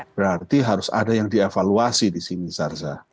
berarti harus ada yang dievaluasi di sini sarza